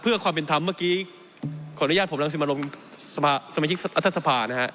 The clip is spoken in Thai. เพื่อความเป็นธรรมเมื่อกี้ขออนุญาตผมรังสิมาลงสมาชิกรัฐสภานะฮะ